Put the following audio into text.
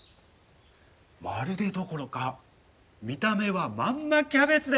まるでどころか見た目はまんまキャベツです。